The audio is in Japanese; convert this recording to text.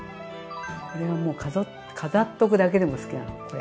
これはもう飾っとくだけでも好きなのこれ。